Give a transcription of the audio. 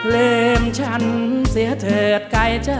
ลืมฉันเสียเถิดใกล้ฉัน